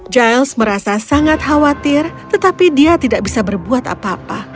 giles merasa sangat khawatir tetapi dia tidak bisa berbuat apa apa